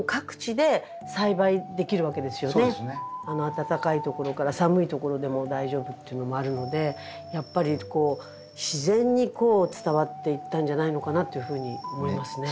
暖かいところから寒いところでも大丈夫っていうのもあるのでやっぱり自然に伝わっていったんじゃないのかなっていうふうに思いますね。